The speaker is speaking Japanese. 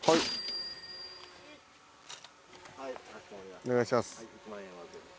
お願いします。